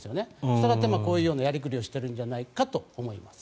したがってこういうようなやり繰りをしているんじゃないかと。